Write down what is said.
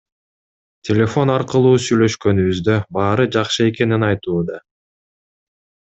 Телефон аркылуу сүйлөшкөнүбүздө баары жакшы экенин айтууда.